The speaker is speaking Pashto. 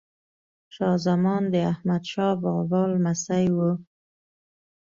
شاه زمان د احمد شاه بابا لمسی وه.